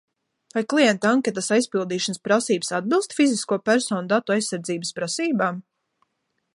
Vai klienta anketas aizpildīšanas prasības atbilst fizisko personu datu aizsardzības prasībām?